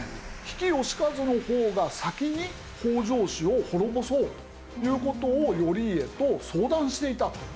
比企能員の方が先に北条氏を滅ぼそうという事を頼家と相談していたと。